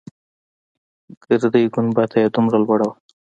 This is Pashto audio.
ګردۍ گنبده يې دومره لوړه وه.